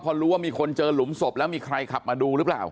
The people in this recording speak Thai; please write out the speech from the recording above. พอรู้ว่ามีคนเจอหลุมศพแล้วมีใครขับมาดูหรือเปล่า